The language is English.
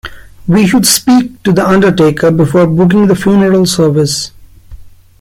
We should speak to the undertaker before booking the funeral service